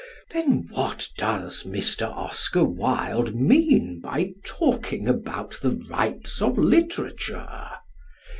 Then what does Mr. Oscar Wilde mean by talking about the "rights of literature"?